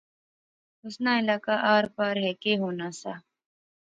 اس ناں علاقہ آر پار ہیکے ہونا سا